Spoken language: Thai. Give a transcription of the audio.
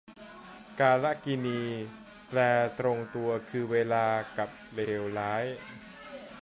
กาลกิณี แปลตรงตัวคือ เวลา กับ เลวร้าย